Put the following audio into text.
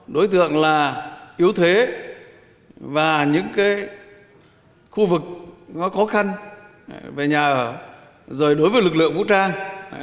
đối tượng là yếu thế và những khu vực có khó khăn về nhà ở rồi đối với lực lượng vũ trang